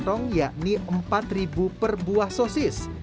rp empat per buah sosis